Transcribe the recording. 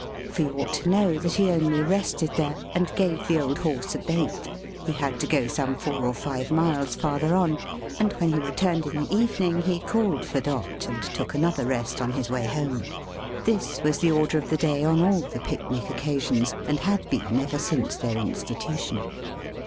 For you ought to know that he only rested there, and gave the old horse a bait. He had to go some four or five miles farther on; and when he returned in the evening, he called for Dot, and took another rest on his way home. This was the order of the day on all the Pic Nic occasions, and had been ever since their institution.